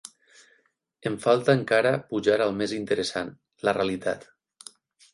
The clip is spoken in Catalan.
Em falta encara pujar al més interessant: la realitat.